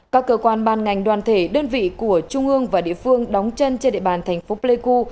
các cơ quan ban ngành đoàn thể đơn vị của trung ương và địa phương đóng chân trên địa bàn thành phố pleiku